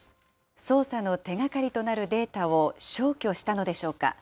捜査の手がかりとなるデータを消去したのでしょうか。